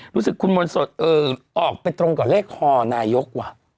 รู้สึกคุณมนต์สดออกไปตรงกับเลขคอนายกว่ะ